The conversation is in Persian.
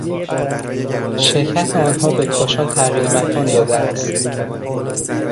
شرکت آنها به کاشان تغییر مکان داده است.